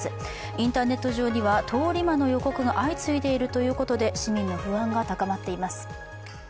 インターネット上には通り魔の予告が相次いでいるということで市民の不安が高まっています。